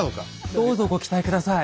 どうぞご期待下さい。